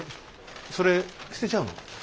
それ捨てちゃうの？